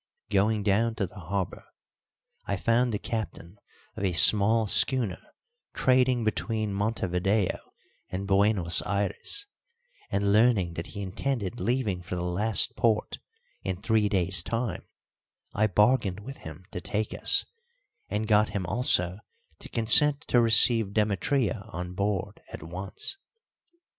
Going down to the harbour, I found the captain of a small schooner trading between Montevideo and Buenos Ayres, and, learning that he intended leaving for the last port in three days' time, I bargained with him to take us, and got him also to consent to receive Demetria on board at once.